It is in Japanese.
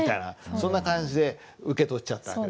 そんな感じで受け取っちゃったんですね。